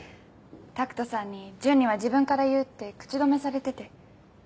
拓人さんに純には自分から言うって口止めされてて。